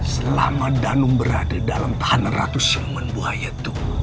selama danung berada dalam tahanan ratu siluman bahaya itu